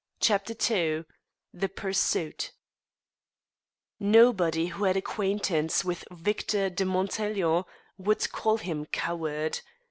CHAPTER II THE PURSUIT Nobody who had acquaintance with Victor de Montaiglon would call him coward.